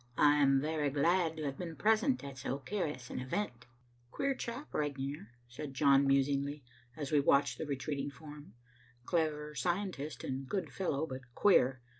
"I am very glad to have been present at so curious an event." "Queer chap Regnier," said John musingly, as we watched the retreating form. "Clever scientist and good fellow, but queer.